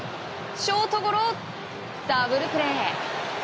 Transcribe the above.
ショートゴロ、ダブルプレー！